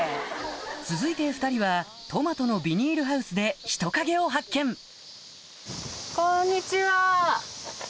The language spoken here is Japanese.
続いて２人はトマトのビニールハウスで人影を発見うそ！